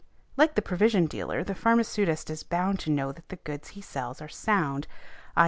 Like the provision dealer, the pharmaceutist is bound to know that the goods he sells are sound, _i.